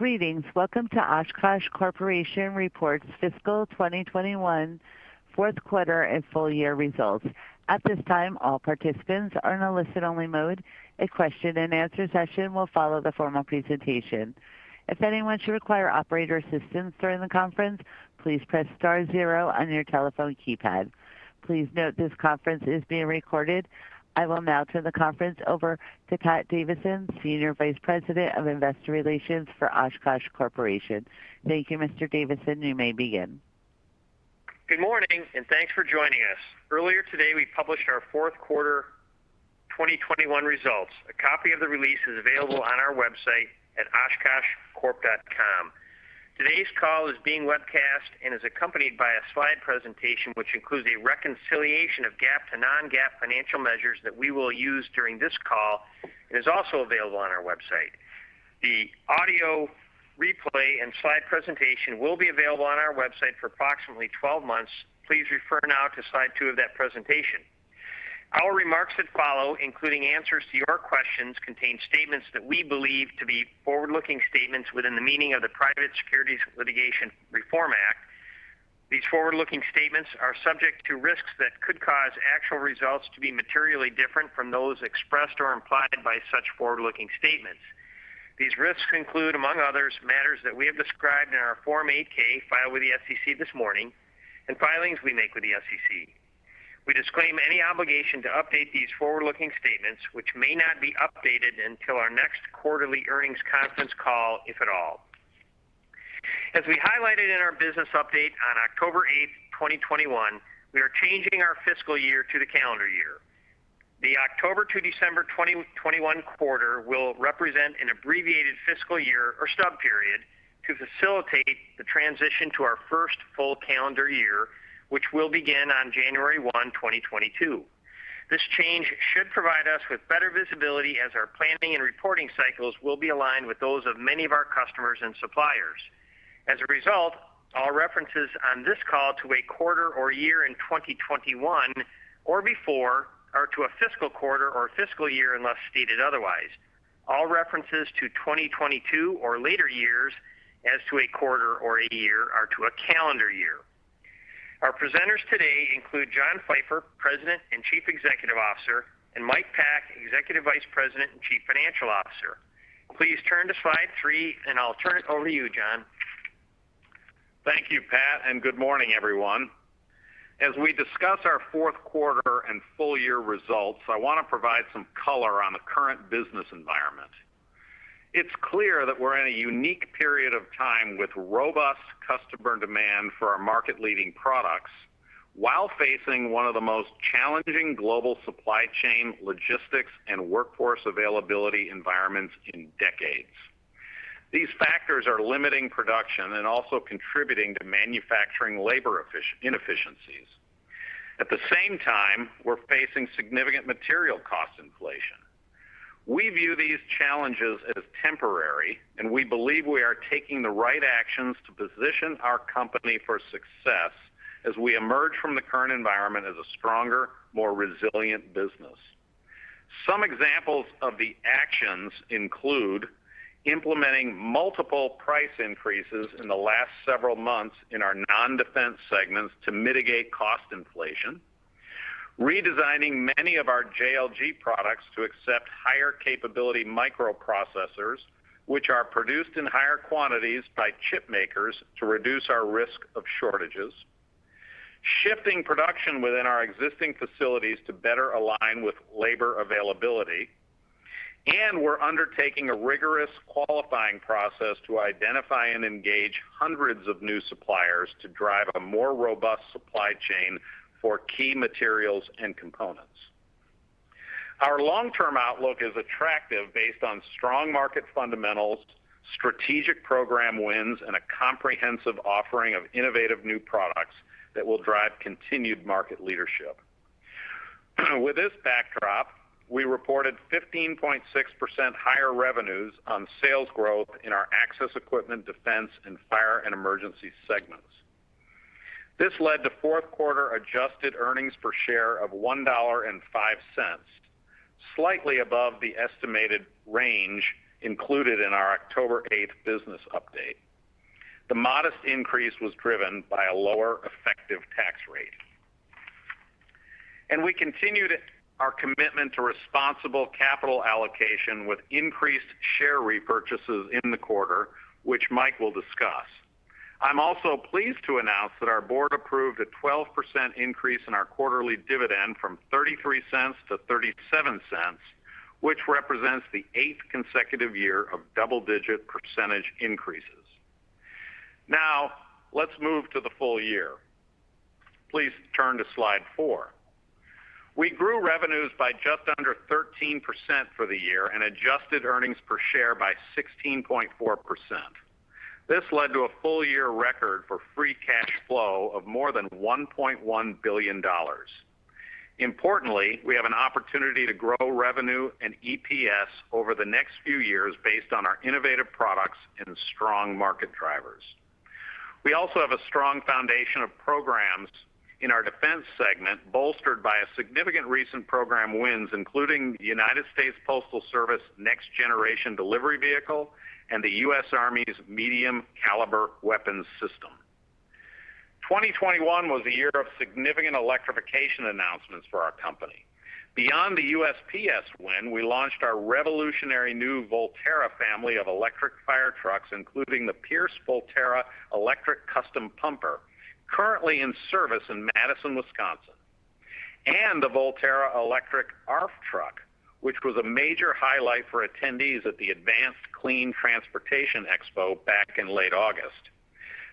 Greetings. Welcome to Oshkosh Corporation Reports Fiscal 2021 Fourth Quarter and Full Year Results. At this time, all participants are in a listen-only mode. A question-and-answer session will follow the formal presentation. If anyone should require operator assistance during the conference, please press star zero on your telephone keypad. Please note this conference is being recorded. I will now turn the conference over to Patrick Davidson, Senior Vice President of Investor Relations for Oshkosh Corporation. Thank you, Mr. Davidson. You may begin. Good morning, and thanks for joining us. Earlier today, we published our fourth quarter 2021 results. A copy of the release is available on our website at oshkoshcorp.com. Today's call is being webcast and is accompanied by a slide presentation, which includes a reconciliation of GAAP to non-GAAP financial measures that we will use during this call, and is also available on our website. The audio replay and slide presentation will be available on our website for approximately 12 months. Please refer now to slide two of that presentation. Our remarks that follow, including answers to your questions, contain statements that we believe to be forward-looking statements within the meaning of the Private Securities Litigation Reform Act. These forward-looking statements are subject to risks that could cause actual results to be materially different from those expressed or implied by such forward-looking statements. These risks include, among others, matters that we have described in our Form 8-K filed with the SEC this morning and filings we make with the SEC. We disclaim any obligation to update these forward-looking statements, which may not be updated until our next quarterly earnings conference call, if at all. As we highlighted in our business update on October 8, 2021, we are changing our fiscal year to the calendar year. The October to December 2021 quarter will represent an abbreviated fiscal year or stub period to facilitate the transition to our first full calendar year, which will begin on January 1, 2022. This change should provide us with better visibility as our planning and reporting cycles will be aligned with those of many of our customers and suppliers. As a result, all references on this call to a quarter or year in 2021 or before are to a fiscal quarter or fiscal year, unless stated otherwise. All references to 2022 or later years as to a quarter or a year are to a calendar year. Our presenters today include John Pfeifer, President and Chief Executive Officer, and Mike Pack, Executive Vice President and Chief Financial Officer. Please turn to slide three, and I'll turn it over to you, John. Thank you, Pat, and good morning, everyone. As we discuss our fourth quarter and full year results, I want to provide some color on the current business environment. It's clear that we're in a unique period of time with robust customer demand for our market-leading products while facing one of the most challenging global supply chain, logistics, and workforce availability environments in decades. These factors are limiting production and also contributing to manufacturing labor inefficiencies. At the same time, we're facing significant material cost inflation. We view these challenges as temporary, and we believe we are taking the right actions to position our company for success as we emerge from the current environment as a stronger, more resilient business. Some examples of the actions include implementing multiple price increases in the last several months in our non-Defense segments to mitigate cost inflation, redesigning many of our JLG products to accept higher capability microprocessors, which are produced in higher quantities by chip makers to reduce our risk of shortages, shifting production within our existing facilities to better align with labor availability, and we're undertaking a rigorous qualifying process to identify and engage hundreds of new suppliers to drive a more robust supply chain for key materials and components. Our long-term outlook is attractive based on strong market fundamentals, strategic program wins, and a comprehensive offering of innovative new products that will drive continued market leadership. With this backdrop, we reported 15.6% higher revenues on sales growth in our Access Equipment, Defense, and Fire and Emergency segments. This led to fourth quarter adjusted earnings per share of $1.05, slightly above the estimated range included in our October 8 business update. The modest increase was driven by a lower effective tax rate. We continued our commitment to responsible capital allocation with increased share repurchases in the quarter, which Mike will discuss. I'm also pleased to announce that our board approved a 12% increase in our quarterly dividend from $0.33 to $0.37, which represents the 8th consecutive year of double-digit percentage increases. Now, let's move to the full year. Please turn to slide four. We grew revenues by just under 13% for the year and adjusted earnings per share by 16.4%. This led to a full year record for free cash flow of more than $1.1 billion. Importantly, we have an opportunity to grow revenue and EPS over the next few years based on our innovative products and strong market drivers. We also have a strong foundation of programs in our defense segment, bolstered by a significant recent program wins, including United States Postal Service Next Generation Delivery Vehicle and the U.S. Army's Medium Caliber Weapon System. 2021 was a year of significant electrification announcements for our company. Beyond the USPS win, we launched our revolutionary new Volterra family of electric fire trucks, including the Pierce Volterra electric custom pumper, currently in service in Madison, Wisconsin. The Volterra electric ARFF truck, which was a major highlight for attendees at the Advanced Clean Transportation Expo back in late August.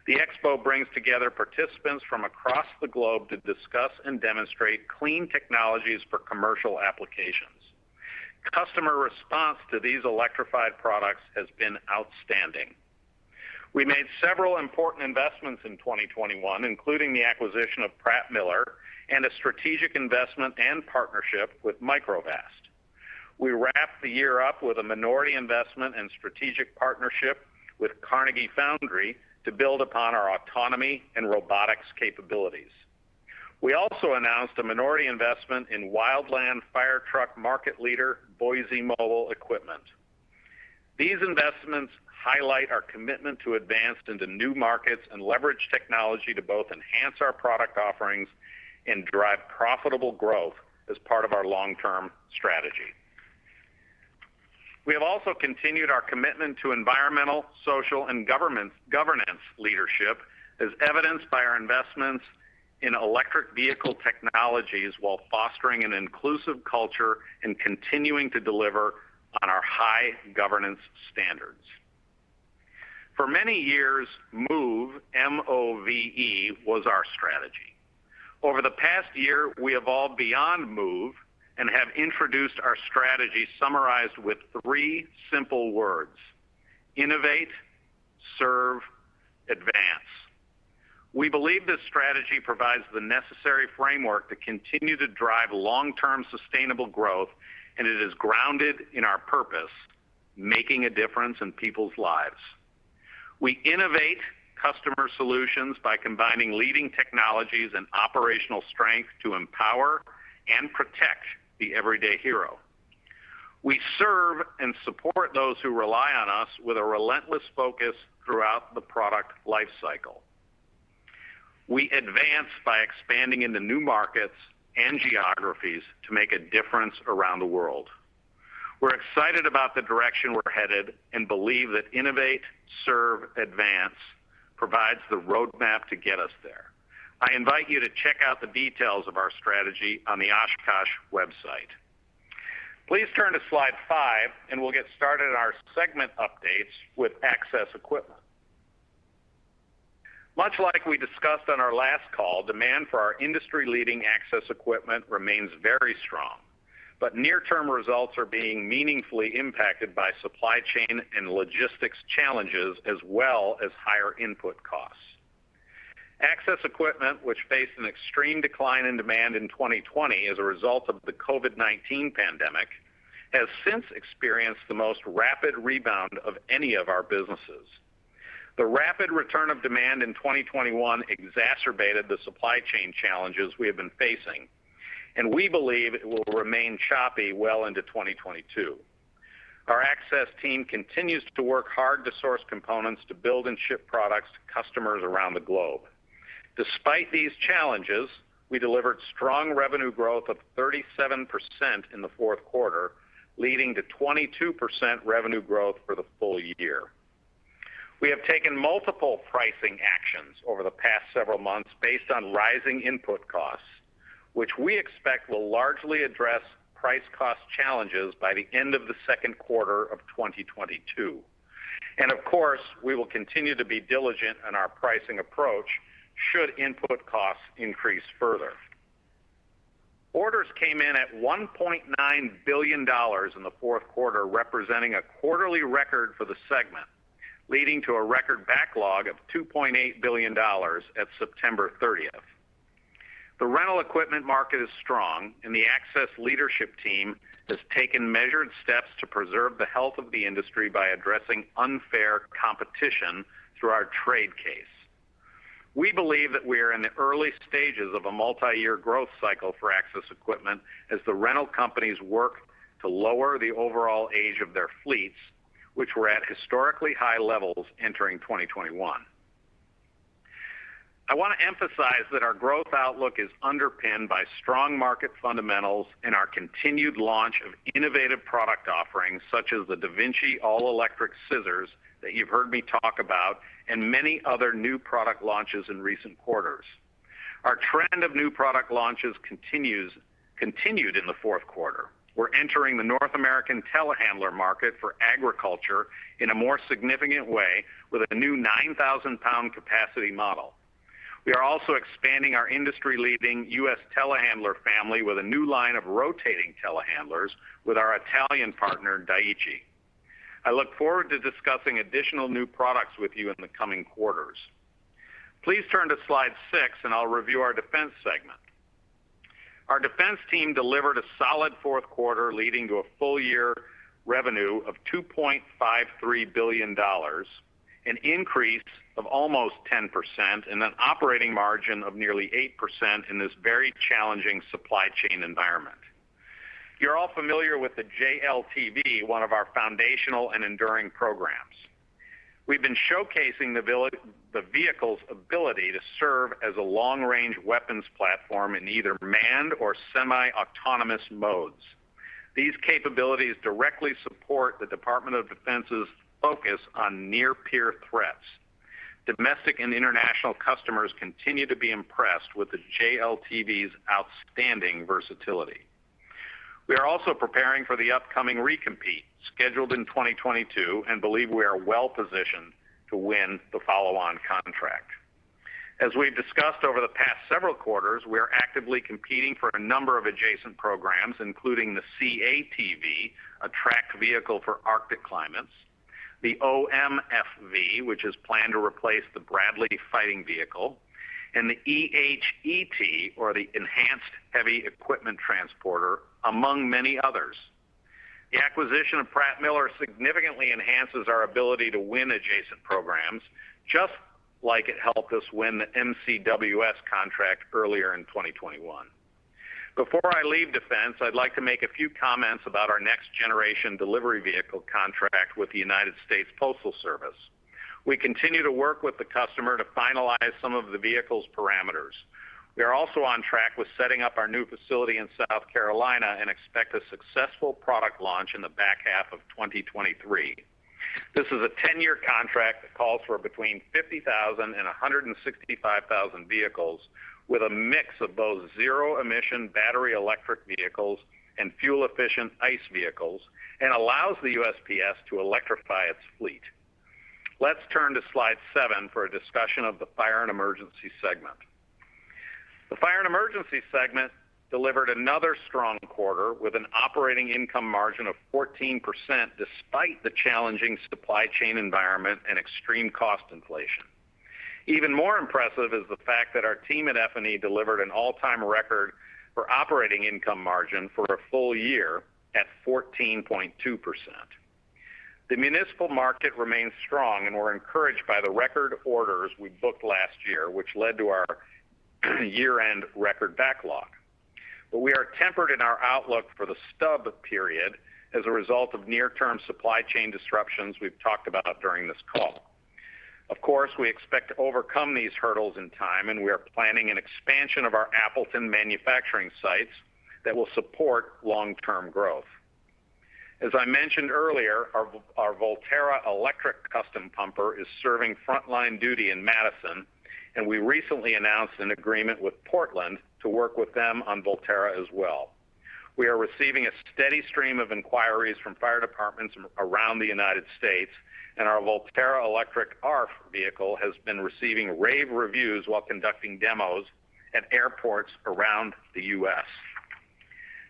The expo brings together participants from across the globe to discuss and demonstrate clean technologies for commercial applications. Customer response to these electrified products has been outstanding. We made several important investments in 2021, including the acquisition of Pratt Miller and a strategic investment and partnership with Microvast. We wrapped the year up with a minority investment and strategic partnership with Carnegie Foundry to build upon our autonomy and robotics capabilities. We also announced a minority investment in wildland fire truck market leader, Boise Mobile Equipment. These investments highlight our commitment to advance into new markets and leverage technology to both enhance our product offerings and drive profitable growth as part of our long-term strategy. We have also continued our commitment to environmental, social, and governance leadership as evidenced by our investments in electric vehicle technologies while fostering an inclusive culture and continuing to deliver on our high governance standards. For many years, MOVE, M-O-V-E, was our strategy. Over the past year, we evolved beyond MOVE and have introduced our strategy summarized with three simple words, innovate, serve, advance. We believe this strategy provides the necessary framework to continue to drive long-term sustainable growth, and it is grounded in our purpose, making a difference in people's lives. We innovate customer solutions by combining leading technologies and operational strength to empower and protect the everyday hero. We serve and support those who rely on us with a relentless focus throughout the product life cycle. We advance by expanding into new markets and geographies to make a difference around the world. We're excited about the direction we're headed and believe that innovate, serve, advance provides the roadmap to get us there. I invite you to check out the details of our strategy on the Oshkosh website. Please turn to slide five, and we'll get started with our segment updates with access equipment. Much like we discussed on our last call, demand for our industry-leading access equipment remains very strong, but near-term results are being meaningfully impacted by supply chain and logistics challenges as well as higher input costs. Access equipment, which faced an extreme decline in demand in 2020 as a result of the COVID-19 pandemic, has since experienced the most rapid rebound of any of our businesses. The rapid return of demand in 2021 exacerbated the supply chain challenges we have been facing, and we believe it will remain choppy well into 2022. Our access team continues to work hard to source components to build and ship products to customers around the globe. Despite these challenges, we delivered strong revenue growth of 37% in the fourth quarter, leading to 22% revenue growth for the full year. We have taken multiple pricing actions over the past several months based on rising input costs, which we expect will largely address price cost challenges by the end of the second quarter of 2022. Of course, we will continue to be diligent in our pricing approach should input costs increase further. Orders came in at $1.9 billion in the fourth quarter, representing a quarterly record for the segment, leading to a record backlog of $2.8 billion at September 30th. The rental equipment market is strong and the access leadership team has taken measured steps to preserve the health of the industry by addressing unfair competition through our trade case. We believe that we are in the early stages of a multi-year growth cycle for access equipment as the rental companies work to lower the overall age of their fleets, which were at historically high levels entering 2021. I want to emphasize that our growth outlook is underpinned by strong market fundamentals and our continued launch of innovative product offerings, such as the DaVinci all-electric scissor that you've heard me talk about and many other new product launches in recent quarters. Our trend of new product launches continued in the fourth quarter. We're entering the North American telehandler market for agriculture in a more significant way with a new 9,000-pound capacity model. We are also expanding our industry-leading U.S. telehandler family with a new line of rotating telehandlers with our Italian partner, Dieci. I look forward to discussing additional new products with you in the coming quarters. Please turn to slide six, and I'll review our defense segment. Our defense team delivered a solid fourth quarter leading to a full year revenue of $2.53 billion, an increase of almost 10% and an operating margin of nearly 8% in this very challenging supply chain environment. You're all familiar with the JLTV, one of our foundational and enduring programs. We've been showcasing the vehicle's ability to serve as a long-range weapons platform in either manned or semi-autonomous modes. These capabilities directly support the Department of Defense's focus on near peer threats. Domestic and international customers continue to be impressed with the JLTV's outstanding versatility. We are also preparing for the upcoming recompete scheduled in 2022, and believe we are well positioned to win the follow-on contract. As we've discussed over the past several quarters, we are actively competing for a number of adjacent programs, including the CATV, a tracked vehicle for Arctic climates, the OMFV, which is planned to replace the Bradley fighting vehicle, and the EHET or the Enhanced Heavy Equipment Transporter, among many others. The acquisition of Pratt Miller significantly enhances our ability to win adjacent programs, just like it helped us win the MCWS contract earlier in 2021. Before I leave defense, I'd like to make a few comments about our Next Generation Delivery Vehicle contract with the United States Postal Service. We continue to work with the customer to finalize some of the vehicle's parameters. We are also on track with setting up our new facility in South Carolina and expect a successful product launch in the back half of 2023. This is a 10-year contract that calls for between 50,000 and 165,000 vehicles with a mix of both zero emission battery electric vehicles and fuel efficient ICE vehicles, and allows the USPS to electrify its fleet. Let's turn to slide seven for a discussion of the Fire and Emergency segment. The Fire and Emergency segment delivered another strong quarter with an operating income margin of 14% despite the challenging supply chain environment and extreme cost inflation. Even more impressive is the fact that our team at F&E delivered an all-time record for operating income margin for a full year at 14.2%. The municipal market remains strong, and we're encouraged by the record orders we booked last year, which led to our year-end record backlog. We are tempered in our outlook for the stub period as a result of near-term supply chain disruptions we've talked about during this call. Of course, we expect to overcome these hurdles in time, and we are planning an expansion of our Appleton manufacturing sites that will support long-term growth. As I mentioned earlier, our Volterra electric custom pumper is serving frontline duty in Madison, and we recently announced an agreement with Portland to work with them on Volterra as well. We are receiving a steady stream of inquiries from fire departments around the United States, and our Volterra electric ARFF vehicle has been receiving rave reviews while conducting demos at airports around the U.S.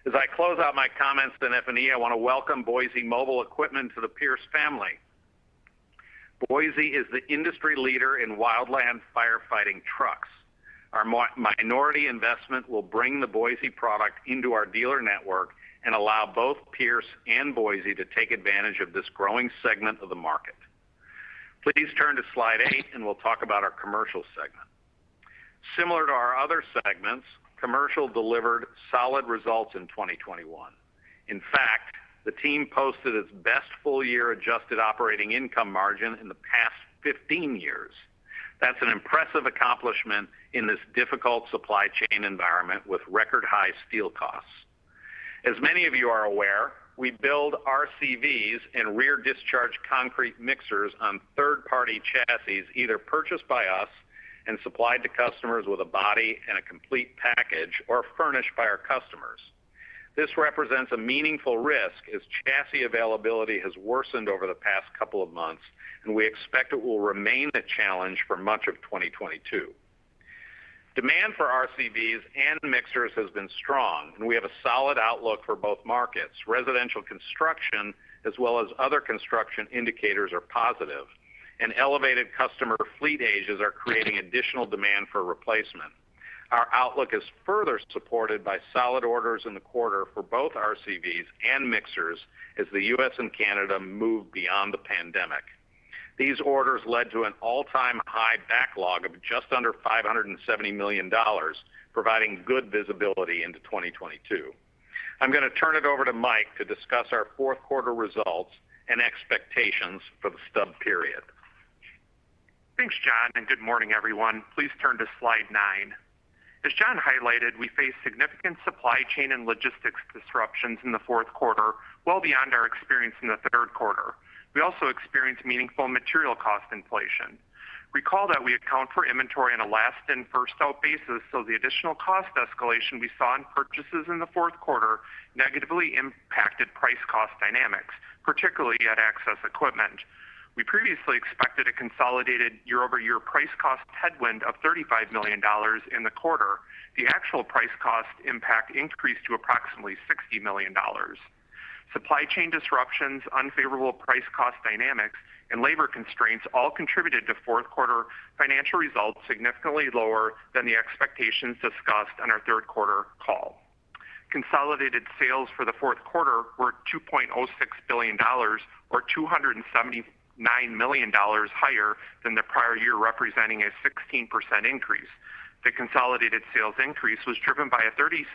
As I close out my comments in F&E, I want to welcome Boise Mobile Equipment to the Pierce family. Boise is the industry leader in wildland firefighting trucks. Our minority investment will bring the Boise product into our dealer network and allow both Pierce and Boise to take advantage of this growing segment of the market. Please turn to slide eight, and we'll talk about our commercial segment. Similar to our other segments, commercial delivered solid results in 2021. In fact, the team posted its best full year adjusted operating income margin in the past 15 years. That's an impressive accomplishment in this difficult supply chain environment with record high steel costs. As many of you are aware, we build RCVs and rear discharge concrete mixers on third-party chassis, either purchased by us and supplied to customers with a body and a complete package or furnished by our customers. This represents a meaningful risk as chassis availability has worsened over the past couple of months, and we expect it will remain a challenge for much of 2022. Demand for RCVs and mixers has been strong, and we have a solid outlook for both markets. Residential construction as well as other construction indicators are positive, and elevated customer fleet ages are creating additional demand for replacement. Our outlook is further supported by solid orders in the quarter for both RCVs and mixers as the U.S. and Canada move beyond the pandemic. These orders led to an all-time high backlog of just under $570 million, providing good visibility into 2022. I'm going to turn it over to Mike to discuss our fourth quarter results and expectations for the stub period. Thanks, John, and good morning, everyone. Please turn to slide nine. As John highlighted, we faced significant supply chain and logistics disruptions in the fourth quarter, well beyond our experience in the third quarter. We also experienced meaningful material cost inflation. Recall that we account for inventory on a last in, first out basis, so the additional cost escalation we saw in purchases in the fourth quarter negatively impacted price-cost dynamics, particularly at access equipment. We previously expected a consolidated year-over-year price cost headwind of $35 million in the quarter. The actual price-cost impact increased to approximately $60 million. Supply chain disruptions, unfavorable price cost dynamics, and labor constraints all contributed to fourth quarter financial results significantly lower than the expectations discussed on our third quarter call. Consolidated sales for the fourth quarter were $2.06 billion or $279 million higher than the prior year, representing a 16% increase. The consolidated sales increase was driven by a 37%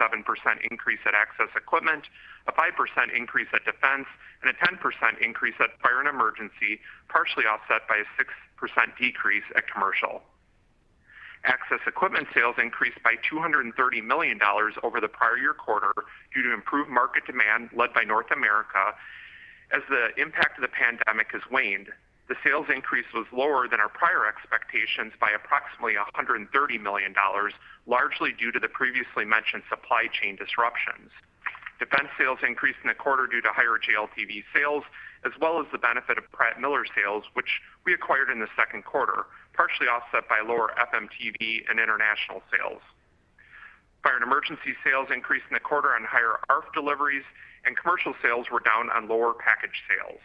increase at Access Equipment, a 5% increase at Defense, and a 10% increase at Fire and Emergency, partially offset by a 6% decrease at Commercial. Access Equipment sales increased by $230 million over the prior year quarter due to improved market demand led by North America. As the impact of the pandemic has waned, the sales increase was lower than our prior expectations by approximately $130 million, largely due to the previously mentioned supply chain disruptions. Defense sales increased in the quarter due to higher JLTV sales as well as the benefit of Pratt Miller sales, which we acquired in the second quarter, partially offset by lower FMTV and international sales. Fire & Emergency sales increased in the quarter on higher ARFF deliveries, and Commercial sales were down on lower package sales.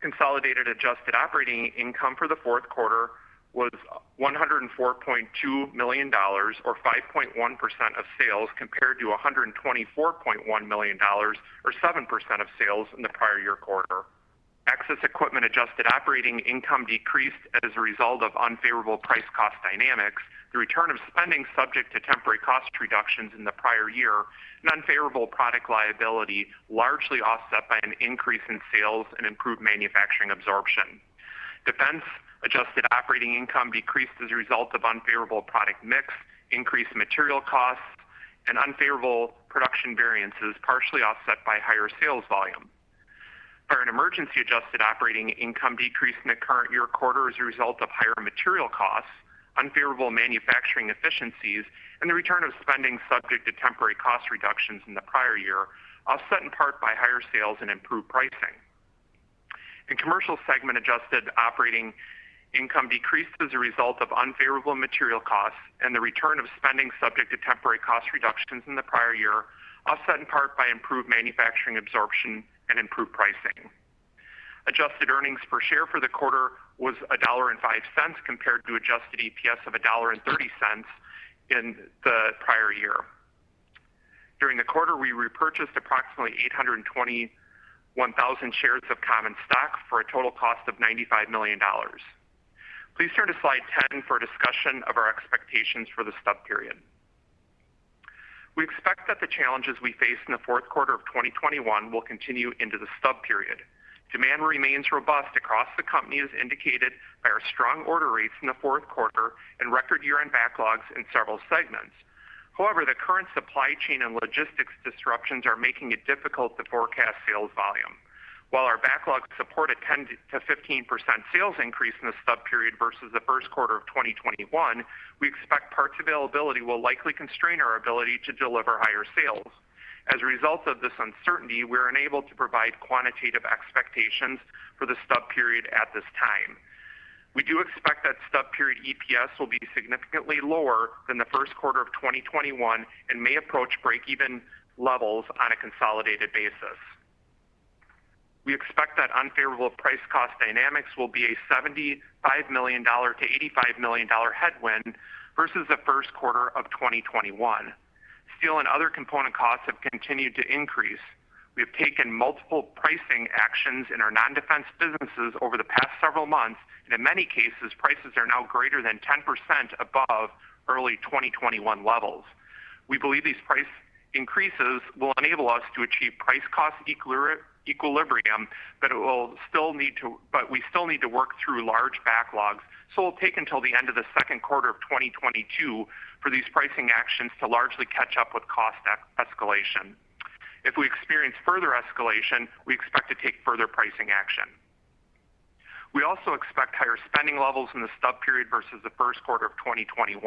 Consolidated adjusted operating income for the fourth quarter was $104.2 million or 5.1% of sales compared to $124.1 million or 7% of sales in the prior year quarter. Access Equipment adjusted operating income decreased as a result of unfavorable price cost dynamics, the return of spending subject to temporary cost reductions in the prior year, and unfavorable product liability largely offset by an increase in sales and improved manufacturing absorption. Defense adjusted operating income decreased as a result of unfavorable product mix, increased material costs, and unfavorable production variances partially offset by higher sales volume. Fire and Emergency adjusted operating income decreased in the current year quarter as a result of higher material costs, unfavorable manufacturing efficiencies, and the return of spending subject to temporary cost reductions in the prior year, offset in part by higher sales and improved pricing. In Commercial segment, adjusted operating income decreased as a result of unfavorable material costs and the return of spending subject to temporary cost reductions in the prior year, offset in part by improved manufacturing absorption and improved pricing. Adjusted earnings per share for the quarter was $1.05 compared to adjusted EPS of $1.30 in the prior year. During the quarter, we repurchased approximately 821,000 shares of common stock for a total cost of $95 million. Please turn to slide 10 for a discussion of our expectations for the stub period. We expect that the challenges we face in the fourth quarter of 2021 will continue into the stub period. Demand remains robust across the company as indicated by our strong order rates in the fourth quarter and record year-end backlogs in several segments. However, the current supply chain and logistics disruptions are making it difficult to forecast sales volume. While our backlogs support a 10%-15% sales increase in the stub period versus the first quarter of 2021, we expect parts availability will likely constrain our ability to deliver higher sales. As a result of this uncertainty, we're unable to provide quantitative expectations for the stub period at this time. We do expect that stub period EPS will be significantly lower than the first quarter of 2021 and may approach break-even levels on a consolidated basis. We expect that unfavorable price cost dynamics will be a $75 million-$85 million headwind versus the first quarter of 2021. Steel and other component costs have continued to increase. We have taken multiple pricing actions in our non-defense businesses over the past several months, and in many cases, prices are now greater than 10% above early 2021 levels. We believe these price increases will enable us to achieve price-cost equilibrium, but we still need to work through large backlogs, so it will take until the end of the second quarter of 2022 for these pricing actions to largely catch up with cost escalation. If we experience further escalation, we expect to take further pricing action. We also expect higher spending levels in the stub period versus the first quarter of 2021.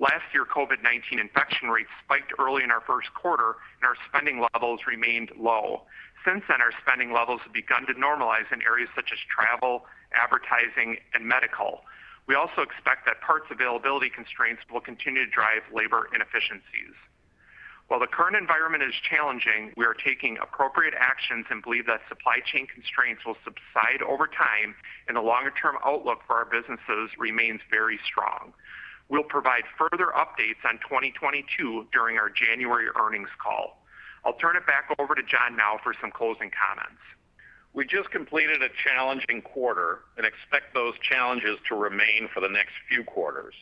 Last year, COVID-19 infection rates spiked early in our first quarter, and our spending levels remained low. Since then, our spending levels have begun to normalize in areas such as travel, advertising, and medical. We also expect that parts availability constraints will continue to drive labor inefficiencies. While the current environment is challenging, we are taking appropriate actions and believe that supply chain constraints will subside over time, and the longer-term outlook for our businesses remains very strong. We'll provide further updates on 2022 during our January earnings call. I'll turn it back over to John now for some closing comments. We just completed a challenging quarter and expect those challenges to remain for the next few quarters.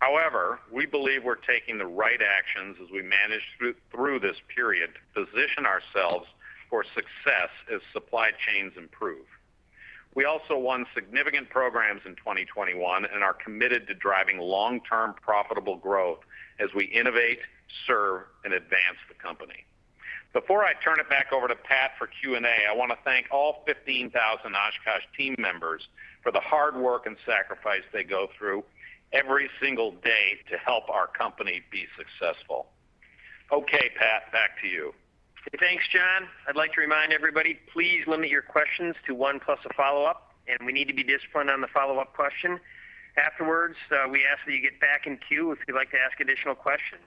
However, we believe we're taking the right actions as we manage through this period to position ourselves for success as supply chains improve. We also won significant programs in 2021 and are committed to driving long-term profitable growth as we innovate, serve, and advance the company. Before I turn it back over to Pat for Q&A, I want to thank all 15,000 Oshkosh team members for the hard work and sacrifice they go through every single day to help our company be successful. Okay, Pat, back to you. Thanks, John. I'd like to remind everybody, please limit your questions to one plus a follow-up, and we need to be disciplined on the follow-up question. Afterwards, so we ask that you get back in queue if you'd like to ask additional questions.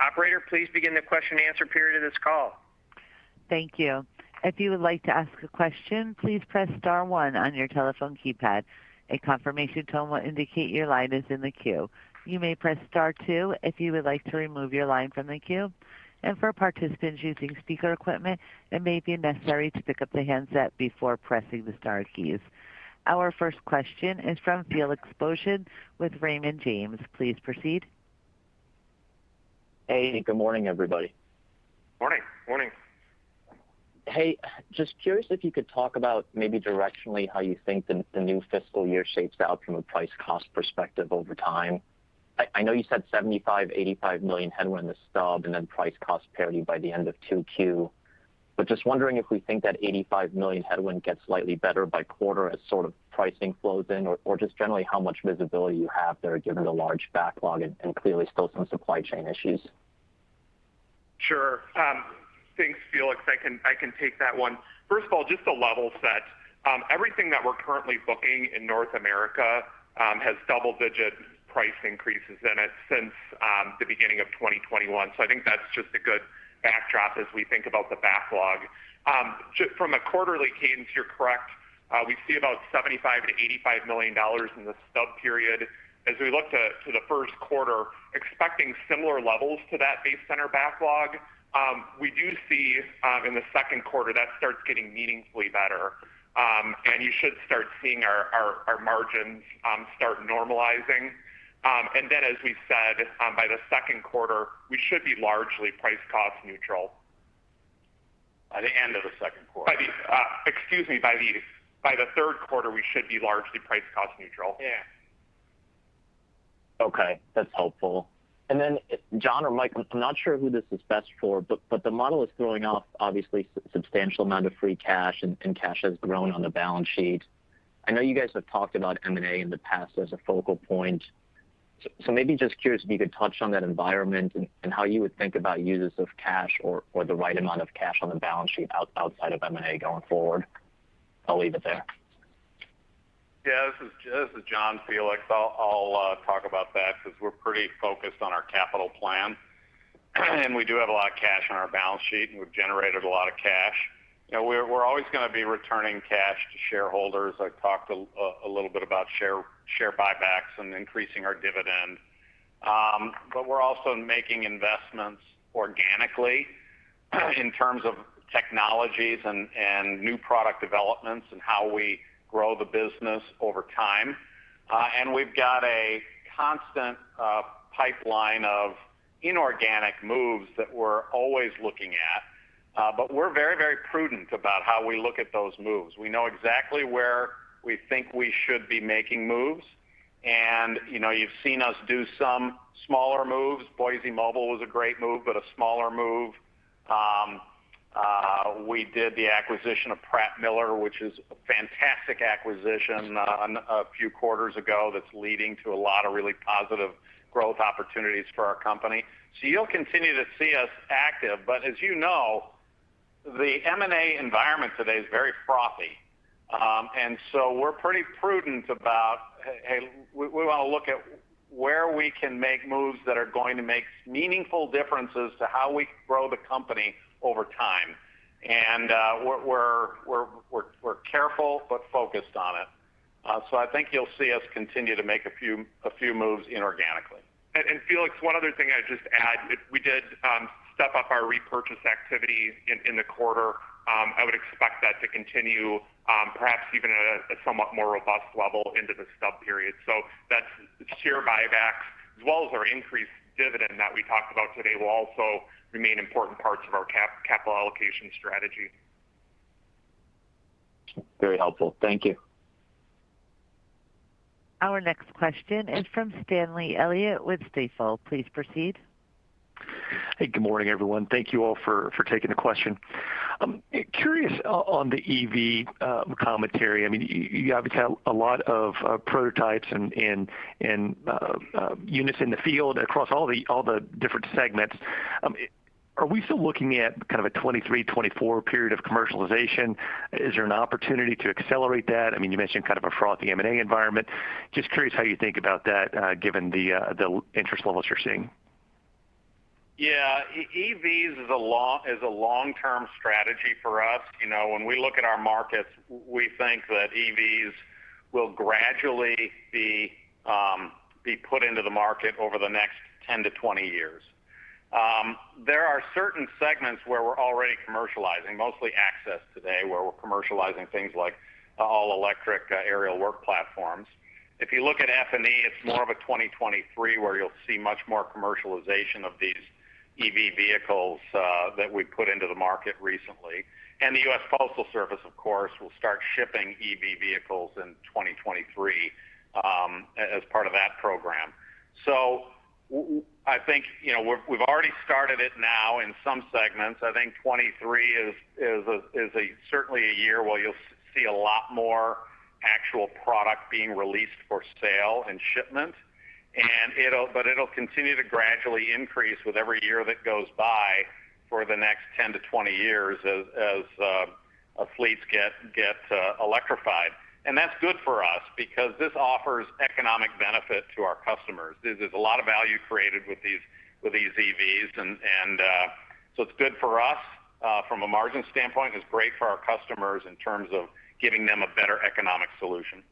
Operator, please begin the question and answer period of this call. Thank you. If you would like to ask a question, please press star one on your telephone keypad. A confirmation tone will indicate your line is in the queue. You may press star two if you would like to remove your line from the queue. For participants using speaker equipment, it may be necessary to pick up the handset before pressing the star keys. Our first question is from Felix Boeschen with Raymond James. Please proceed. Hey, good morning, everybody. Morning. Morning. Hey, just curious if you could talk about maybe directionally how you think the new fiscal year shapes out from a price cost perspective over time. I know you said $75 million-$85 million headwind this stub and then price cost parity by the end of 2Q. Just wondering if we think that $85 million headwind gets slightly better by quarter as sort of pricing flows in or just generally how much visibility you have there given the large backlog and clearly still some supply chain issues. Sure. Thanks, Felix. I can take that one. First of all, just to level set, everything that we're currently booking in North America has double-digit price increases in it since the beginning of 2021. I think that's just a good backdrop as we think about the backlog. From a quarterly cadence, you're correct. We see about $75 million-$85 million in the stub period. As we look to the first quarter, expecting similar levels to that based on the backlog, we do see in the second quarter that starts getting meaningfully better. You should start seeing our margins start normalizing. Then as we said, by the second quarter, we should be largely price-cost neutral. By the end of the second quarter. Excuse me, by the third quarter, we should be largely price cost neutral. Yeah. Okay. That's helpful. John or Mike, I'm not sure who this is best for, but the model is throwing off obviously substantial amount of free cash and cash has grown on the balance sheet. I know you guys have talked about M&A in the past as a focal point. Maybe just curious if you could touch on that environment and how you would think about uses of cash or the right amount of cash on the balance sheet outside of M&A going forward. I'll leave it there. Yeah. This is John, Felix. I'll talk about that 'cause we're pretty focused on our capital plan, and we do have a lot of cash on our balance sheet, and we've generated a lot of cash. You know, we're always gonna be returning cash to shareholders. I've talked a little bit about share buybacks and increasing our dividend. But we're also making investments organically in terms of technologies and new product developments and how we grow the business over time. And we've got a constant pipeline of inorganic moves that we're always looking at, but we're very prudent about how we look at those moves. We know exactly where we think we should be making moves. You know, you've seen us do some smaller moves. Boise Mobile was a great move, but a smaller move. We did the acquisition of Pratt Miller, which is a fantastic acquisition, a few quarters ago that's leading to a lot of really positive growth opportunities for our company. You'll continue to see us active. As you know, the M&A environment today is very frothy. We're pretty prudent about, hey, we wanna look at where we can make moves that are going to make meaningful differences to how we grow the company over time. We're careful but focused on it. I think you'll see us continue to make a few moves inorganically. Felix, one other thing I'd just add, we did step up our repurchase activity in the quarter. I would expect that to continue, perhaps even at a somewhat more robust level into the stub period. That's share buybacks as well as our increased dividend that we talked about today will also remain important parts of our capital allocation strategy. Very helpful. Thank you. Our next question is from Stanley Elliott with Stifel. Please proceed. Hey, good morning, everyone. Thank you all for taking the question. I'm curious on the EV commentary. I mean, you obviously have a lot of prototypes and units in the field across all the different segments. Are we still looking at kind of a 2023, 2024 period of commercialization? Is there an opportunity to accelerate that? I mean, you mentioned kind of a frothy M&A environment. Just curious how you think about that, given the interest levels you're seeing. Yeah. EVs is a long-term strategy for us. You know, when we look at our markets, we think that EVs will gradually be put into the market over the next 10-20 years. There are certain segments where we're already commercializing, mostly access today, where we're commercializing things like all-electric aerial work platforms. If you look at F&E, it's more of a 2023 where you'll see much more commercialization of these EV vehicles that we put into the market recently. The U.S. Postal Service, of course, will start shipping EV vehicles in 2023, as part of that program. I think, you know, we've already started it now in some segments. I think 2023 is certainly a year where you'll see a lot more actual product being released for sale and shipment. It'll continue to gradually increase with every year that goes by for the next 10-20 years as fleets get electrified. That's good for us because this offers economic benefit to our customers. There's a lot of value created with these EVs and so it's good for us from a margin standpoint. It's great for our customers in terms of giving them a better economic solution.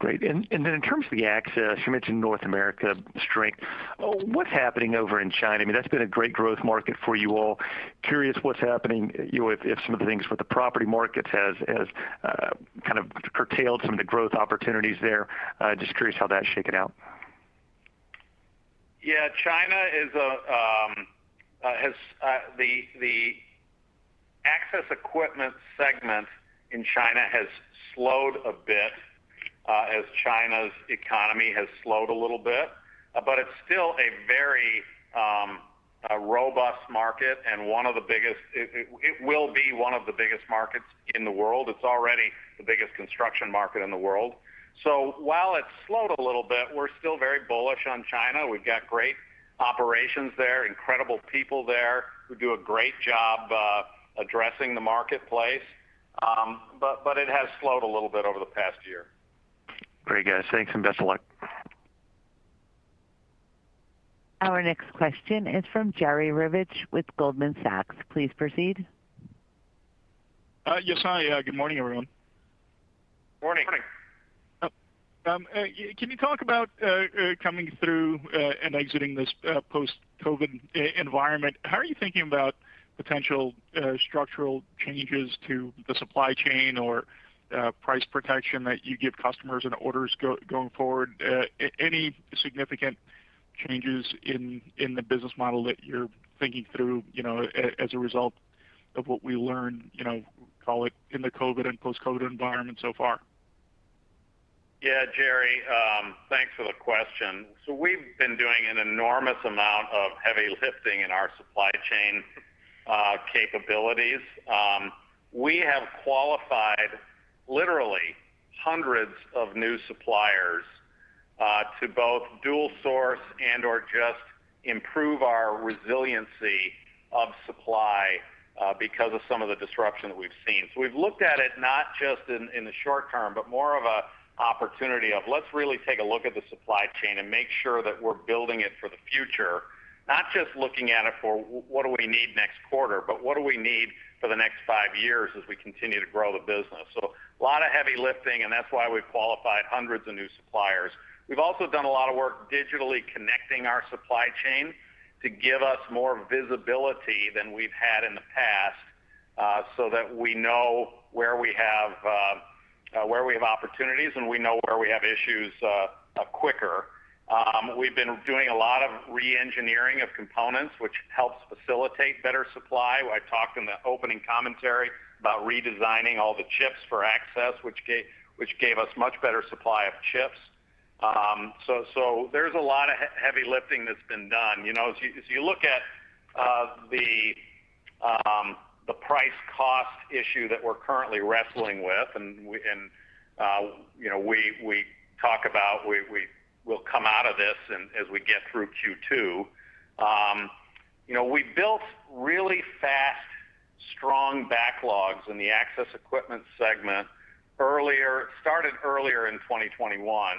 Great. Then in terms of the access, you mentioned North America strength. What's happening over in China? I mean, that's been a great growth market for you all. Curious what's happening, you know, if some of the things with the property markets has kind of curtailed some of the growth opportunities there. Just curious how that's shaken out. Yeah. The access equipment segment in China has slowed a bit, as China's economy has slowed a little bit. But it's still a very robust market and one of the biggest. It will be one of the biggest markets in the world. It's already the biggest construction market in the world. While it's slowed a little bit, we're still very bullish on China. We've got great operations there, incredible people there who do a great job addressing the marketplace. But it has slowed a little bit over the past year. Very good. Thanks, and best of luck. Our next question is from Jerry Revich with Goldman Sachs. Please proceed. Yes. Hi. Good morning, everyone. Morning. Can you talk about coming through and exiting this post-COVID environment? How are you thinking about potential structural changes to the supply chain or price protection that you give customers and orders going forward? Any significant changes in the business model that you're thinking through, you know, as a result of what we learned, you know, call it in the COVID and post-COVID environment so far? Yeah. Jerry, thanks for the question. We've been doing an enormous amount of heavy lifting in our supply chain capabilities. We have qualified literally hundreds of new suppliers to both dual source and or just improve our resiliency of supply because of some of the disruption that we've seen. We've looked at it not just in the short term, but more of a opportunity of let's really take a look at the supply chain and make sure that we're building it for the future. Not just looking at it for what do we need next quarter, but what do we need for the next five years as we continue to grow the business. A lot of heavy lifting, and that's why we've qualified hundreds of new suppliers. We've also done a lot of work digitally connecting our supply chain to give us more visibility than we've had in the past, so that we know where we have opportunities and we know where we have issues quicker. We've been doing a lot of re-engineering of components, which helps facilitate better supply. I talked in the opening commentary about redesigning all the chips for access, which gave us much better supply of chips. So there's a lot of heavy lifting that's been done. You know, as you look at the price cost issue that we're currently wrestling with, and you know, we talk about we will come out of this and as we get through Q2. You know, we built really fast, strong backlogs in the Access Equipment segment earlier, started earlier in 2021.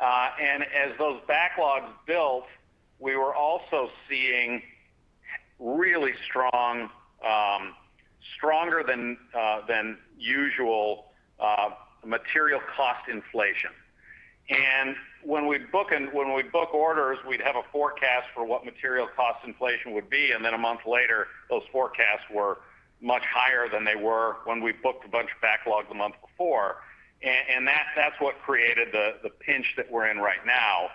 As those backlogs built, we were also seeing really strong, stronger than usual, material cost inflation. When we book orders, we'd have a forecast for what material cost inflation would be, and then a month later, those forecasts were much higher than they were when we booked a bunch of backlogs the month before. That's what created the pinch that we're in right now.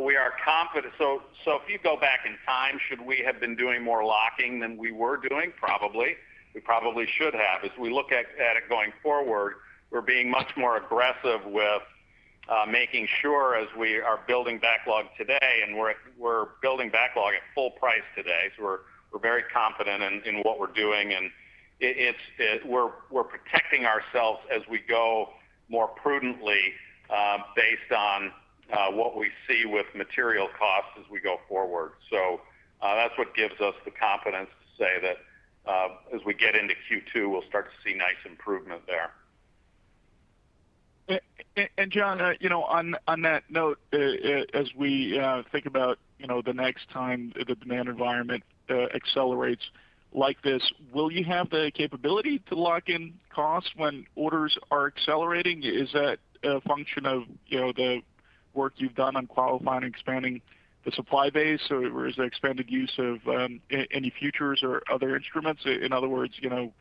We are confident. If you go back in time, should we have been doing more locking than we were doing? Probably. We probably should have. As we look at it going forward, we're being much more aggressive with making sure as we are building backlog today and we're building backlog at full price today. We're very confident in what we're doing, and it's, we're protecting ourselves as we go more prudently based on what we see with material costs as we go forward. That's what gives us the confidence to say that as we get into Q2, we'll start to see nice improvement there. John, you know, on that note, as we think about, you know, the next time the demand environment accelerates like this, will you have the capability to lock in costs when orders are accelerating? Is that a function of, you know, the work you've done on qualifying and expanding the supply base, or is there expanded use of any futures or other instruments? In other words, you know,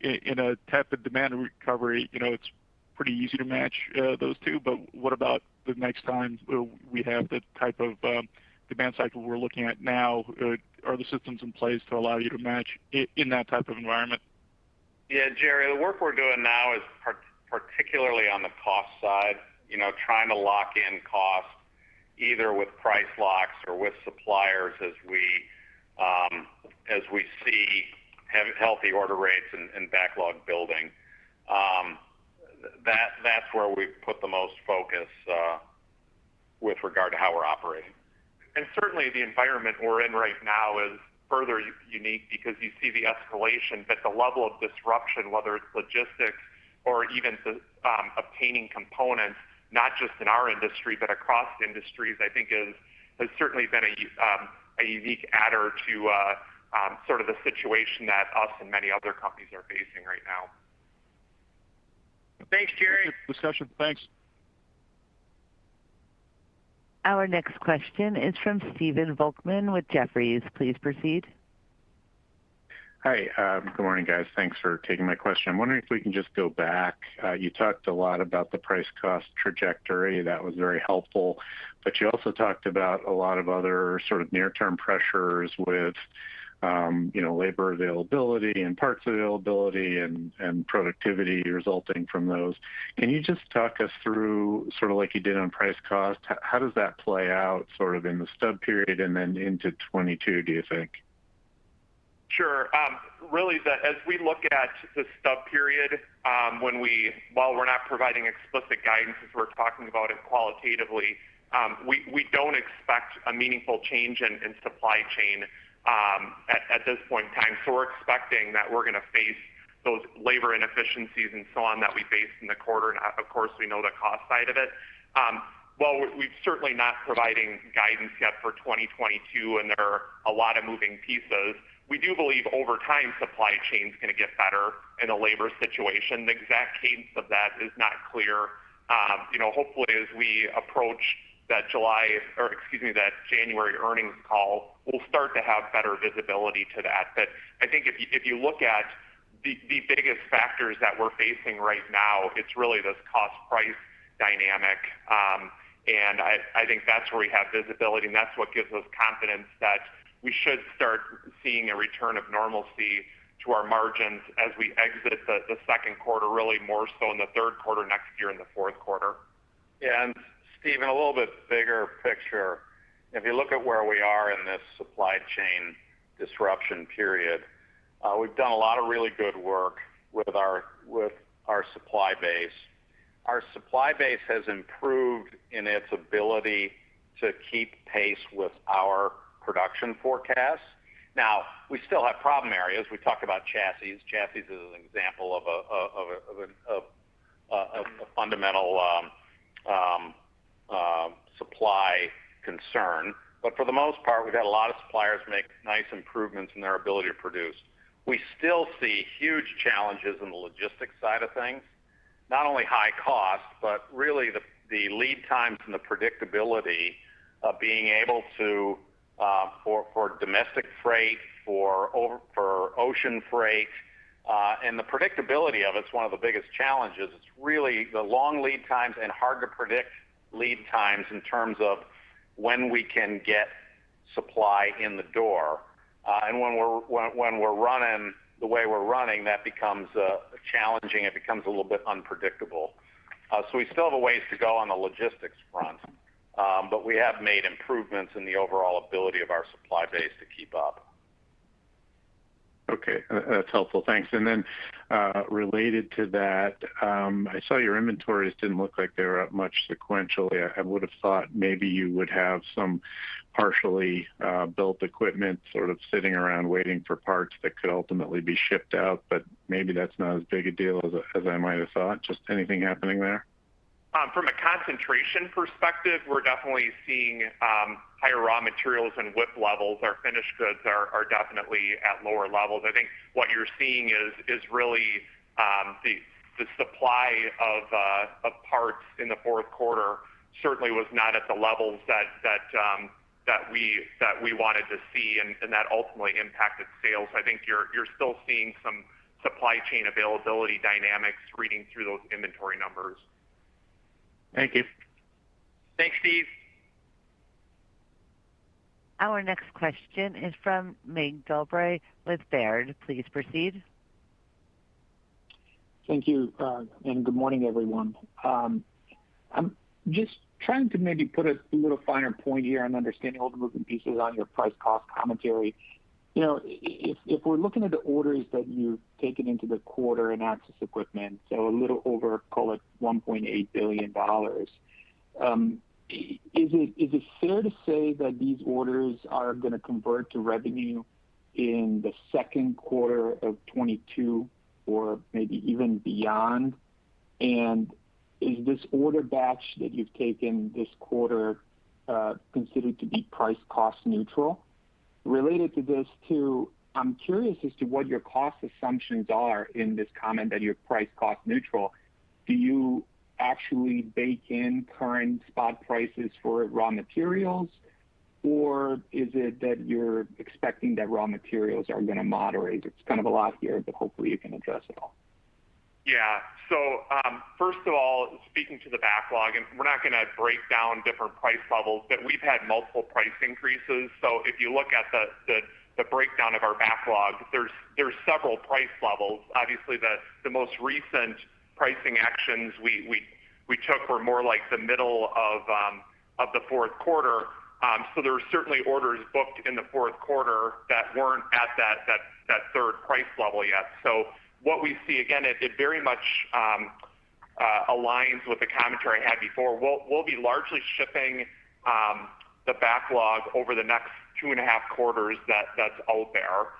in a type of demand recovery, you know, it's pretty easy to match those two, but what about the next time we have the type of demand cycle we're looking at now? Are the systems in place to allow you to match in that type of environment? Yeah, Jerry. The work we're doing now is particularly on the cost side, you know, trying to lock in costs either with price locks or with suppliers as we see healthy order rates and backlog building. That's where we've put the most focus with regard to how we're operating. Certainly the environment we're in right now is further unique because you see the escalation, but the level of disruption, whether it's logistics or even the obtaining components, not just in our industry, but across industries, I think has certainly been a unique adder to sort of the situation that us and many other companies are facing right now. Thanks, Jerry. Appreciate the session. Thanks. Our next question is from Stephen Volkmann with Jefferies. Please proceed. Hi. Good morning, guys. Thanks for taking my question. I'm wondering if we can just go back. You talked a lot about the price cost trajectory. That was very helpful. You also talked about a lot of other sort of near-term pressures with, you know, labor availability and parts availability and productivity resulting from those. Can you just talk us through sort of like you did on price cost, how does that play out sort of in the stub period and then into 2022, do you think? Sure. Really, as we look at the stub period, while we're not providing explicit guidance, as we're talking about it qualitatively, we don't expect a meaningful change in supply chain at this point in time. We're expecting that we're gonna face those labor inefficiencies and so on that we faced in the quarter. Of course, we know the cost side of it. While we're certainly not providing guidance yet for 2022, and there are a lot of moving pieces, we do believe over time, supply chain's gonna get better in a labor situation. The exact cadence of that is not clear. You know, hopefully, as we approach that January earnings call, we'll start to have better visibility to that. I think if you look at the biggest factors that we're facing right now, it's really this cost-price dynamic. I think that's where we have visibility, and that's what gives us confidence that we should start seeing a return of normalcy to our margins as we exit the second quarter, really more so in the third quarter next year and the fourth quarter. Stephen, a little bit bigger picture. If you look at where we are in this supply chain disruption period, we've done a lot of really good work with our supply base. Our supply base has improved in its ability to keep pace with our production forecast. Now, we still have problem areas. We talked about chassis. Chassis is an example of a fundamental supply concern. But for the most part, we've had a lot of suppliers make nice improvements in their ability to produce. We still see huge challenges in the logistics side of things, not only high cost, but really the lead times and the predictability of being able to, for domestic freight, for ocean freight, and the predictability of it is one of the biggest challenges. It's really the long lead times and hard to predict lead times in terms of when we can get supply in the door. When we're running the way we're running, that becomes challenging. It becomes a little bit unpredictable. We still have a ways to go on the logistics front, but we have made improvements in the overall ability of our supply base to keep up. Okay. That's helpful. Thanks. Related to that, I saw your inventories didn't look like they were up much sequentially. I would have thought maybe you would have some partially built equipment sort of sitting around waiting for parts that could ultimately be shipped out, but maybe that's not as big a deal as I might have thought. Just anything happening there? From a concentration perspective, we're definitely seeing higher raw materials and WIP levels. Our finished goods are definitely at lower levels. I think what you're seeing is really the supply of parts in the fourth quarter certainly was not at the levels that we wanted to see, and that ultimately impacted sales. I think you're still seeing some supply chain availability dynamics reading through those inventory numbers. Thank you. Thanks, Steph. Our next question is from Mig Dobre with Baird. Please proceed. Thank you and good morning, everyone. I'm just trying to maybe put a little finer point here on understanding all the moving pieces on your price cost commentary. You know, if we're looking at the orders that you've taken into the quarter in access equipment, so a little over, call it $1.8 billion, is it fair to say that these orders are gonna convert to revenue in the second quarter of 2022 or maybe even beyond? Is this order batch that you've taken this quarter considered to be price cost neutral? Related to this, too, I'm curious as to what your cost assumptions are in this comment that you're price cost neutral. Do you actually bake in current spot prices for raw materials, or is it that you're expecting that raw materials are gonna moderate? It's kind of a lot here, but hopefully you can address it all. Yeah. First of all, speaking to the backlog, and we're not gonna break down different price levels, but we've had multiple price increases. If you look at the breakdown of our backlog, there's several price levels. Obviously, the most recent pricing actions we took were more like the middle of of the fourth quarter. There are certainly orders booked in the fourth quarter that weren't at that third price level yet. What we see, again, it very much aligns with the commentary I had before. We'll be largely shipping the backlog over the next two and a half quarters that's out there.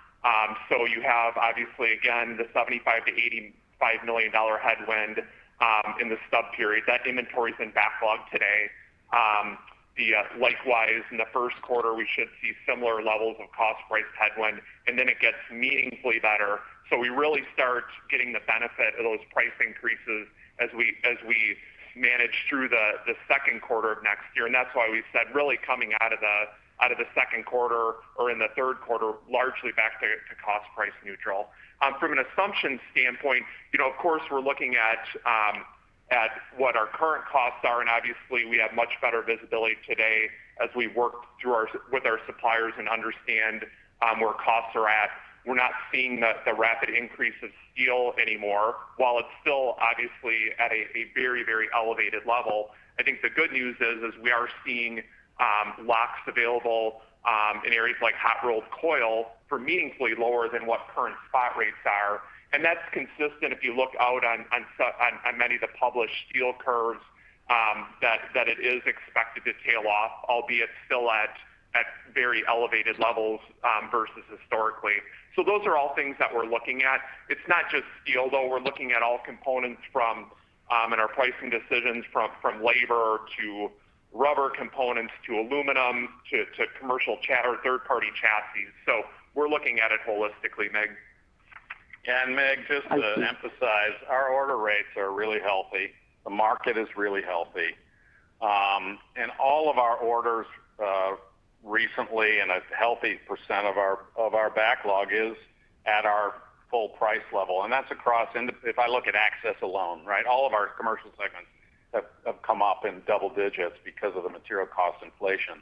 You have obviously again, the $75 million-$85 million headwind in the stub period. That inventory's in backlog today. Likewise, in the first quarter, we should see similar levels of cost price headwind, and then it gets meaningfully better. We really start getting the benefit of those price increases as we manage through the second quarter of next year. That's why we said, really coming out of the second quarter or in the third quarter, largely back to cost price neutral. From an assumption standpoint, you know, of course, we're looking at what our current costs are, and obviously, we have much better visibility today as we work with our suppliers and understand where costs are at. We're not seeing the rapid increase of steel anymore. While it's still obviously at a very elevated level, I think the good news is we are seeing locks available in areas like hot rolled coil for meaningfully lower than what current spot rates are. That's consistent, if you look out on many of the published steel curves, it is expected to tail off, albeit still at very elevated levels, versus historically. Those are all things that we're looking at. It's not just steel, though. We're looking at all components in our pricing decisions, from labor to rubber components to aluminum to commercial or third-party chassis. We're looking at it holistically, Mig. Mig, just to emphasize, our order rates are really healthy. The market is really healthy. All of our orders recently and a healthy percent of our backlog is at our full price level. If I look at Access alone, right? All of our commercial segments have come up in double digits because of the material cost inflation.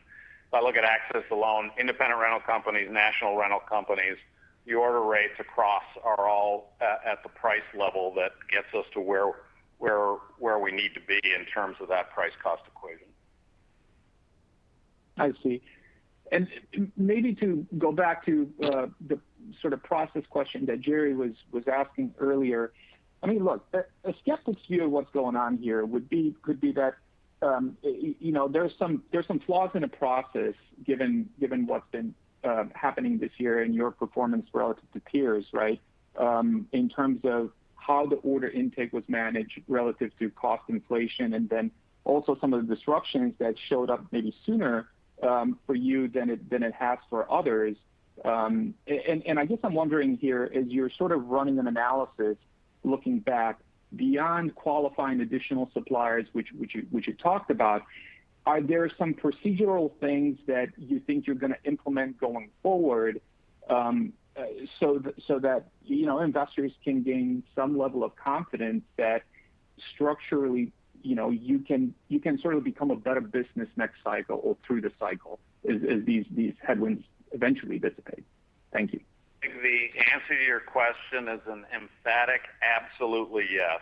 If I look at Access alone, independent rental companies, national rental companies, the order rates across are all at the price level that gets us to where we need to be in terms of that price cost equation. I see. Maybe to go back to the sort of process question that Jerry was asking earlier. I mean, look, a skeptic's view of what's going on here could be that you know, there's some flaws in the process given what's been happening this year and your performance relative to peers, right? In terms of how the order intake was managed relative to cost inflation and then also some of the disruptions that showed up maybe sooner for you than it has for others. I guess I'm wondering here, as you're sort of running an analysis looking back beyond qualifying additional suppliers, which you talked about, are there some procedural things that you think you're gonna implement going forward, so that you know, investors can gain some level of confidence that structurally, you know, you can sort of become a better business next cycle or through the cycle as these headwinds eventually dissipate? Thank you. I think the answer to your question is an emphatic absolutely yes.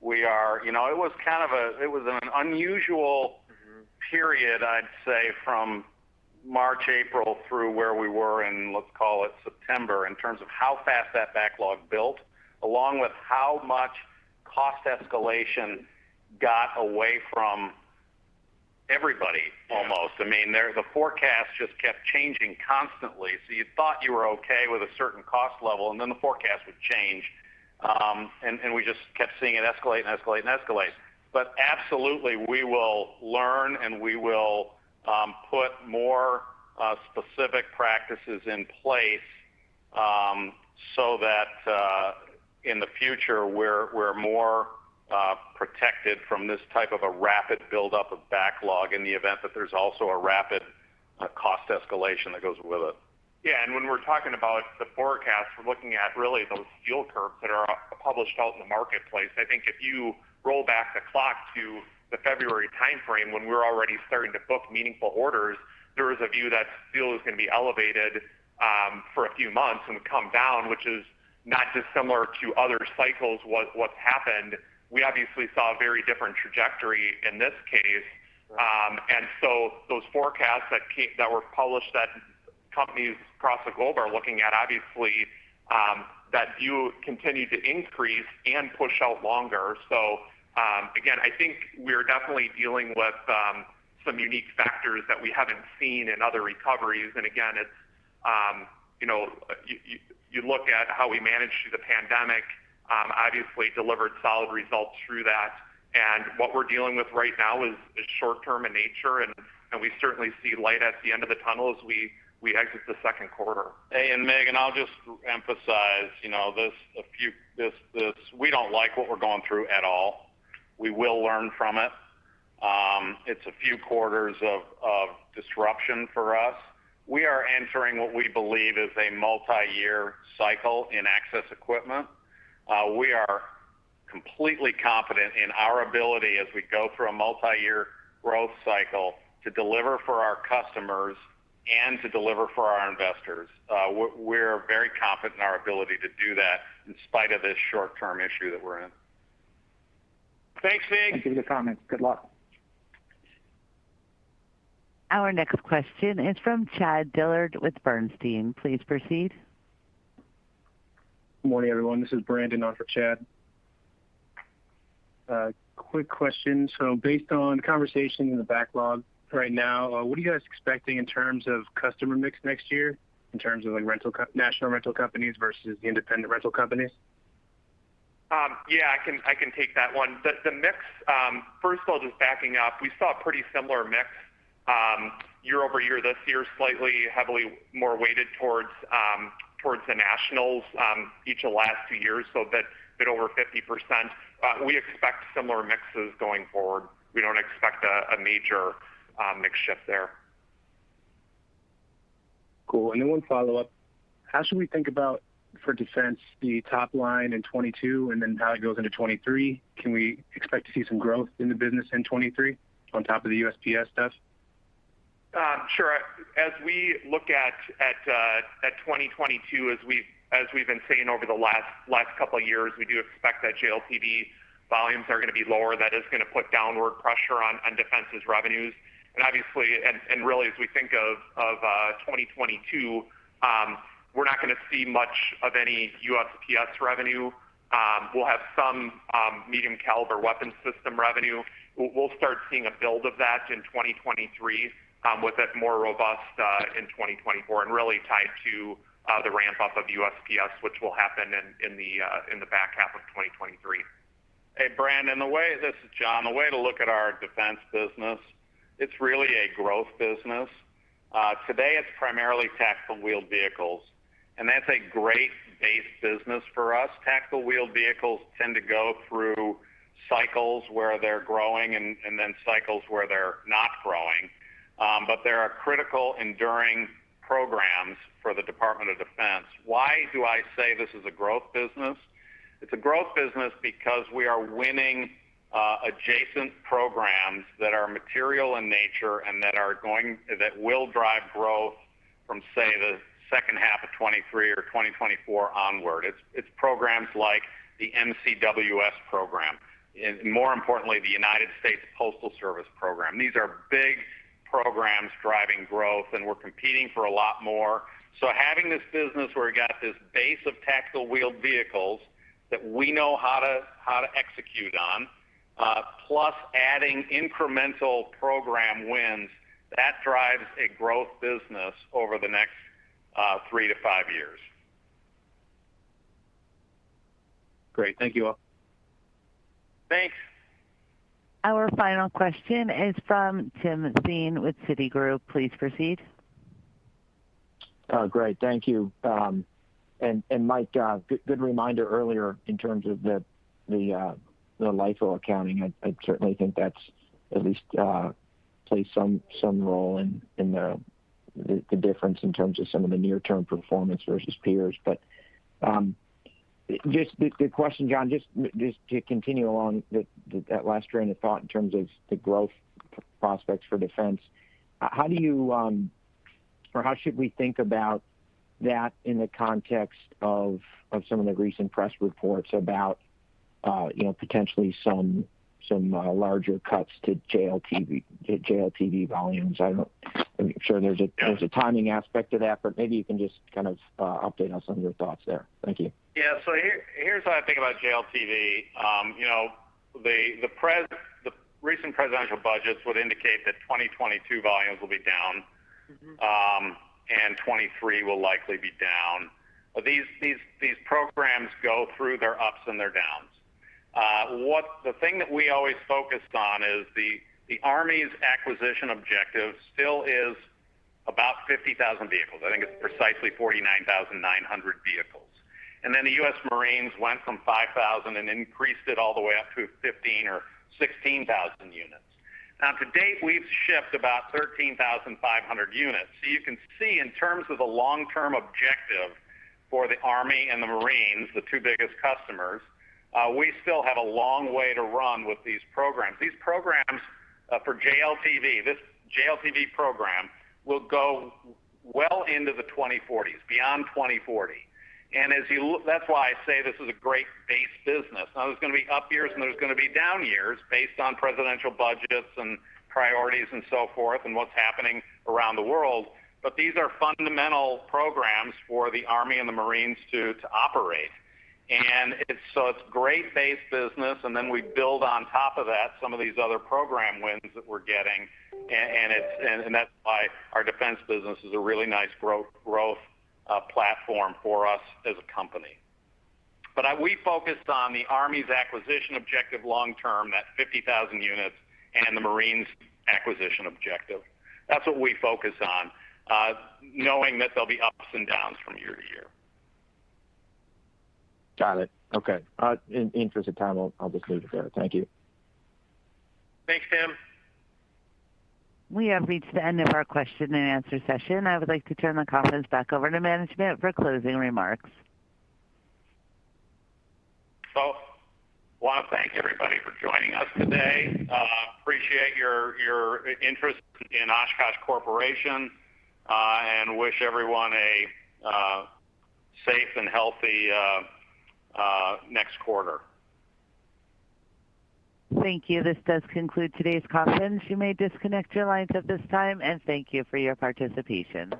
We are, you know, it was an unusual- Mm-hmm. period, I'd say, from March, April through where we were in, let's call it September, in terms of how fast that backlog built, along with how much cost escalation got away from everybody almost. I mean, the forecast just kept changing constantly. You thought you were okay with a certain cost level, and then the forecast would change. and we just kept seeing it escalate and escalate and escalate. Absolutely, we will learn, and we will put more specific practices in place, so that in the future, we're more protected from this type of a rapid buildup of backlog in the event that there's also a rapid cost escalation that goes with it. Yeah. When we're talking about the forecast, we're looking at really those yield curves that are published out in the marketplace. I think if you roll back the clock to the February timeframe when we're already starting to book meaningful orders, there is a view that steel is gonna be elevated for a few months and come down, which is not dissimilar to other cycles what's happened. We obviously saw a very different trajectory in this case. Those forecasts that were published that companies across the globe are looking at, obviously, that view continued to increase and push out longer. Again, I think we're definitely dealing with some unique factors that we haven't seen in other recoveries. Again, it's, you know, you look at how we managed through the pandemic, obviously delivered solid results through that. What we're dealing with right now is short-term in nature, and we certainly see light at the end of the tunnel as we exit the second quarter. Hey, Mig, I'll just emphasize, you know, this. We don't like what we're going through at all. We will learn from it. It's a few quarters of disruption for us. We are entering what we believe is a multi-year cycle in access equipment. We are completely confident in our ability as we go through a multi-year growth cycle to deliver for our customers. To deliver for our investors. We're very confident in our ability to do that in spite of this short-term issue that we're in. Thanks, Mig. Thank you for the comments. Good luck. Our next question is from Chad Dillard with Bernstein. Please proceed. Good morning, everyone. This is Brandon on for Chad. A quick question. Based on conversation in the backlog right now, what are you guys expecting in terms of customer mix next year in terms of like national rental companies versus the independent rental companies? Yeah, I can take that one. The mix, first of all, just backing up, we saw a pretty similar mix year-over-year this year, slightly more heavily weighted towards the nationals each of the last two years, so that's a bit over 50%. We expect similar mixes going forward. We don't expect a major mix shift there. Cool. One follow-up. How should we think about, for defense, the top line in 2022, and then how it goes into 2023? Can we expect to see some growth in the business in 2023 on top of the USPS stuff? Sure. As we look at 2022, as we've been saying over the last couple of years, we do expect that JLTV volumes are gonna be lower. That is gonna put downward pressure on Defense's revenues. Obviously, really, as we think of 2022, we're not gonna see much of any USPS revenue. We'll have some Medium Caliber Weapon System revenue. We'll start seeing a build of that in 2023, with it more robust in 2024, and really tied to the ramp-up of USPS, which will happen in the back half of 2023. Hey, Brandon, this is John. The way to look at our defense business, it's really a growth business. Today it's primarily tactical wheeled vehicles, and that's a great base business for us. Tactical wheeled vehicles tend to go through cycles where they're growing and then cycles where they're not growing. But there are critical enduring programs for the Department of Defense. Why do I say this is a growth business? It's a growth business because we are winning adjacent programs that are material in nature and that will drive growth from, say, the second half of 2023 or 2024 onward. It's programs like the MCWS program and more importantly, the United States Postal Service program. These are big programs driving growth, and we're competing for a lot more. Having this business where we got this base of tactical wheeled vehicles that we know how to execute on, plus adding incremental program wins, that drives a growth business over the next three-five years. Great. Thank you all. Thanks. Our final question is from Tim Thein with Citigroup. Please proceed. Oh, great. Thank you. Mike, good reminder earlier in terms of the LIFO accounting. I certainly think that's at least plays some role in the difference in terms of some of the near term performance versus peers. Just the question, John, just to continue along that last train of thought in terms of the growth prospects for defense. How do you or how should we think about that in the context of some of the recent press reports about, you know, potentially some larger cuts to JLTV volumes? I'm sure there's a timing aspect to that, but maybe you can just kind of update us on your thoughts there. Thank you. Here, here's how I think about JLTV. You know, the recent presidential budgets would indicate that 2022 volumes will be down. Mm-hmm. 2023 will likely be down. These programs go through their ups and downs. The thing that we always focus on is the U.S. Army's acquisition objective still is about 50,000 vehicles. I think it's precisely 49,900 vehicles. The U.S. Marines went from 5,000 and increased it all the way up to 15,000 or 16,000 units. Now, to date, we've shipped about 13,500 units. You can see in terms of the long-term objective for the U.S. Army and the U.S. Marines, the two biggest customers, we still have a long way to run with these programs. These programs for JLTV, this JLTV program will go well into the 2040s, beyond 2040. That's why I say this is a great base business. Now, there's gonna be up years, and there's gonna be down years based on presidential budgets and priorities and so forth and what's happening around the world. These are fundamental programs for the U.S. Army and the U.S. Marine Corps to operate. So it's great base business, and then we build on top of that some of these other program wins that we're getting. And that's why our defense business is a really nice growth platform for us as a company. We focused on the U.S. Army's acquisition objective long term, that 50,000 units and the U.S. Marine Corps acquisition objective. That's what we focus on, knowing that there'll be ups and downs from year to year. Got it. Okay. In the interest of time, I'll just leave it there. Thank you. Thanks, Tim. We have reached the end of our question and answer session. I would like to turn the conference back over to management for closing remarks. Wanna thank everybody for joining us today. Appreciate your interest in Oshkosh Corporation, and wish everyone a safe and healthy next quarter. Thank you. This does conclude today's conference. You may disconnect your lines at this time, and thank you for your participation.